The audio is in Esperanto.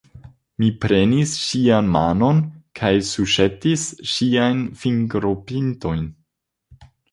Mi prenis ŝian manon kaj suĉetis ŝiajn fingropintojn.